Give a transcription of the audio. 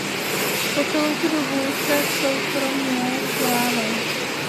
Po celou tu dobu se soukromě vzdělával.